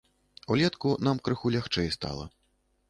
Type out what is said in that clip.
Улетку нам крыху лягчэй стала.